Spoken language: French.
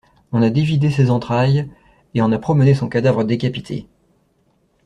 On a dévidé ses entrailles, et on a promené son cadavre décapité!